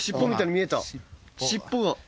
尻尾が。